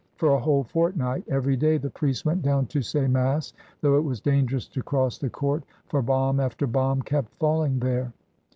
For a whole fortnight, every day, the priest went down to say mass, though it was dangerous to cross the court, for bomb after bomb kept falling there.